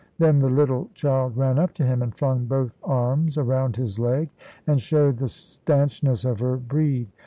Then the little child ran up to him, and flung both arms around his leg, and showed the stanchness of her breed.